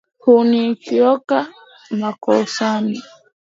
Huniokoa makosani;